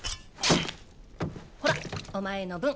ほらお前の分。